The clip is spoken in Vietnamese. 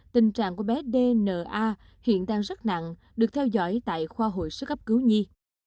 tình trạng của bé dna hiện đang rất nặng được theo dõi tại khoa hội sức hấp cứu nhi